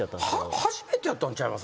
初めてやったんちゃいます？